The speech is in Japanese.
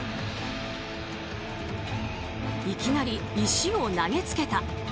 いきなり石を投げつけた。